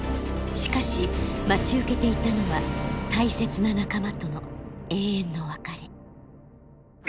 しかし待ち受けていたのは大切な仲間との永遠の別れ。